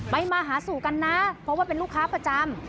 มาหาสู่กันนะเพราะว่าเป็นลูกค้าประจำ